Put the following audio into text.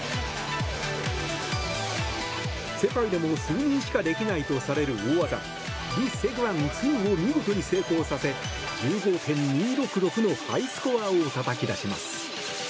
世界でも数人しかできないとされる大技リ・セグァン２を見事に成功させ１５．２６６のハイスコアをたたき出します。